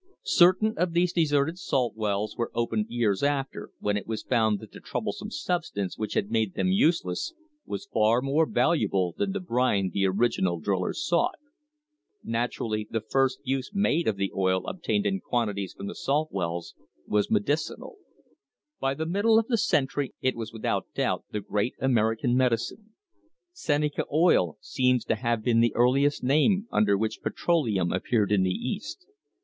Certain of these deserted salt wells were opened years after, when it was found that the troublesome substance which had made them useless was far more valuable than the brine the original drillers sought. Naturally the first use made of the oil obtained in quanti i ties from the salt wells was medicinal. By the middle of the century it was without doubt the great American medicine. "Seneca Oil" seems to have been the earliest name under which petroleum appeared in the East.